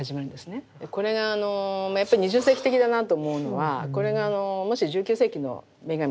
これが２０世紀的だなと思うのはこれがもし１９世紀の女神の誕生